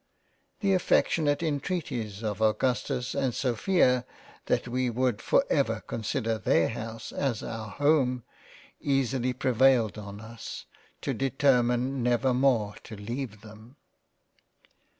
The affectionate Entreaties of Augustus and Sophia that we would for ever consider their House as our Home, easily prevailed on us to determine never more to leave them.